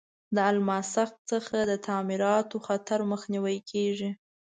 د الماسک څخه د تعمیراتو خطر مخنیوی کیږي.